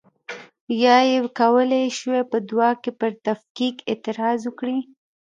یا یې کولای شوای په دعا کې پر تفکیک اعتراض وکړي.